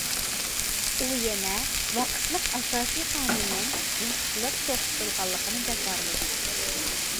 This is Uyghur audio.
ئۇ يەنە ۋاقىتلىق ئاساسىي قانۇننىڭ ۋاقىتلىق توختىتىلغانلىقىنى جاكارلىدى.